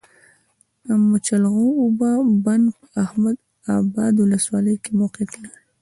د مچلغو اوبو بند په احمد ابا ولسوالۍ کي موقعیت لری